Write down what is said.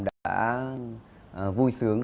đã vui sướng